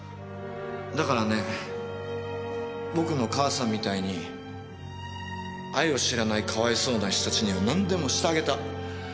だからね僕の母さんみたいに愛を知らないかわいそうな人たちには何でもしてあげた。